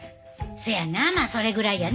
そやなまあそれぐらいやな。